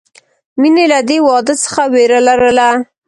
مینې له دې واده څخه وېره لرله